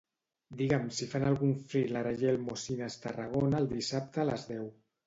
Digue'm si fan algun thriller a Yelmo Cines Tarragona el dissabte a les deu.